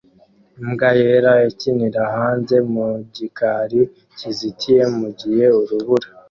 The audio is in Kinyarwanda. Imbwa yera ikinira hanze mu gikari kizitiye mugihe urubura